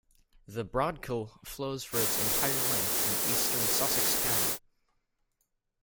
The Broadkill flows for its entire length in eastern Sussex County.